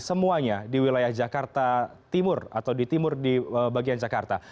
semuanya di wilayah jakarta